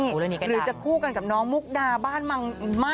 หรือจะคู่กับน้องมุกดาบ้านบางใจ